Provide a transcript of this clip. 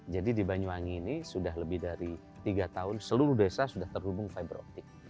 jadi di banyulangi ini sudah lebih dari tiga tahun seluruh desa sudah terhubung fiber optic